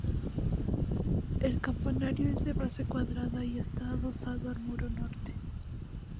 El campanario es de base cuadrada y está adosado al muro norte.